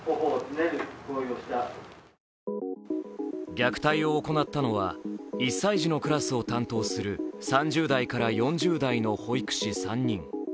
虐待を行ったのは、１歳児のクラスを担当する３０代から４０代の保育士３人。